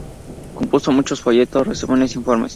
Compuso muchos folletos, resúmenes, informes.